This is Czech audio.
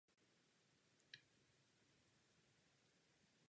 Dále je podstatné se zmínit i o lidské činnosti mající „pouze“ lokální vliv.